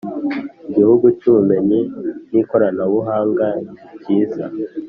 Igihugu cy Ubumenyi n Ikoranabuhanga nikiza